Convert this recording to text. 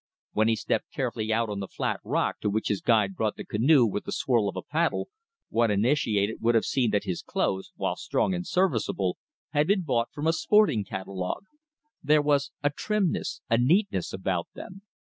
When he stepped carefully out on the flat rock to which his guide brought the canoe with a swirl of the paddle, one initiated would have seen that his clothes, while strong and serviceable, had been bought from a sporting catalogue. There was a trimness, a neatness, about them.